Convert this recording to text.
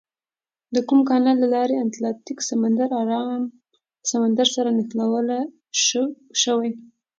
د کوم کانال له لارې اتلانتیک سمندر ارام له سمندر سره نښلول شوي؟